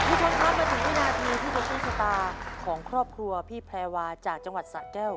คุณผู้ชมครับมาถึงวินาทีที่เป็นต้นชะตาของครอบครัวพี่แพรวาจากจังหวัดสะแก้ว